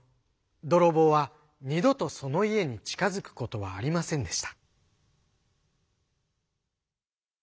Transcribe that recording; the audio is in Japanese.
どろぼうはにどとそのいえにちかづくことはありませんでした。